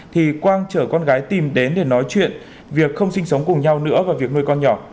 thì quang chở con gái tìm đến để nói chuyện việc không sinh sống cùng nhau nữa vào việc nuôi con nhỏ